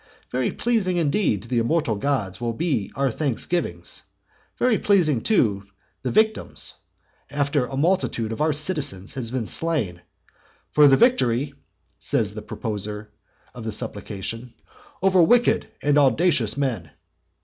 Very pleasing indeed to the immortal gods will our thanksgivings be, very pleasing too the victims, after a multitude of our citizens has been slain! "For the victory," says the proposer of the supplication, "over wicked and audacious men."